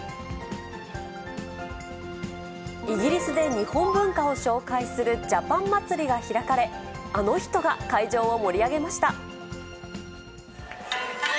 イギリスで日本文化を紹介するジャパン祭りが開かれ、あの人が会場を盛り上げました。